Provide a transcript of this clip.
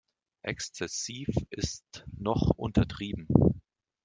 Exzessiv ist noch untertrieben.